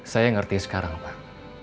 saya ngerti sekarang pak